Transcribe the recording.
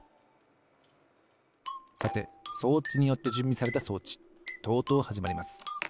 さて装置によってじゅんびされた装置とうとうはじまります。